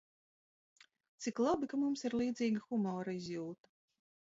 Cik labi, ka mums ir līdzīga humora izjūta.